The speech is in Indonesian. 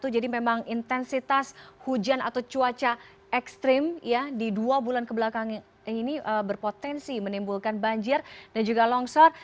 jadi memang intensitas hujan atau cuaca ekstrim di dua bulan kebelakangan ini berpotensi menimbulkan banjir dan juga longsor